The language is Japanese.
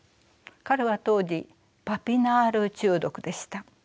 彼は当時パビナール中毒でした。